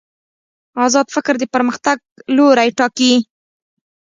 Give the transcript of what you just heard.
ازاد فکر د پرمختګ لوری ټاکي.